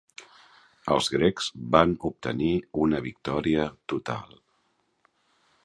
Els grecs van obtenir una victòria total.